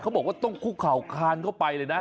บอกว่าต้องคุกเข่าคานเข้าไปเลยนะ